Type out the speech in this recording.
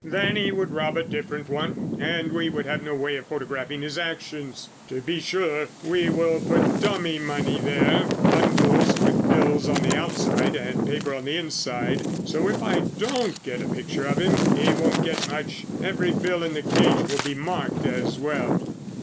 "Then he would rob a different one and we would have no way of photographing his actions. To be sure, we will put dummy money there, bundles with bills on the outside and paper on the inside, so if I don't get a picture of him, he won't get much. Every bill in the cage will be marked as well."